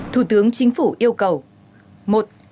thủ tướng chính phủ yêu cầu